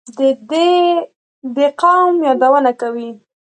دې قوم یادونه کوي.